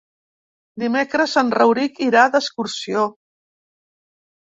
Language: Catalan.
Dimecres en Rauric irà d'excursió.